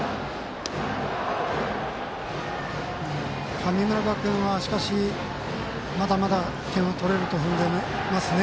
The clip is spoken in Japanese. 神村学園は、しかしまだまだ点を取れるとふんでいますね。